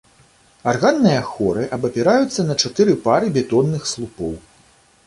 Арганныя хоры абапіраюцца на чатыры пары бетонных слупоў.